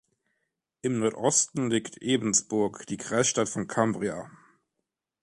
Im Nordosten liegt Ebensburg, die Kreisstadt von Cambria.